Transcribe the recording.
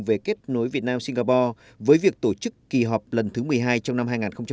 về kết nối việt nam singapore với việc tổ chức kỳ họp lần thứ một mươi hai trong năm hai nghìn hai mươi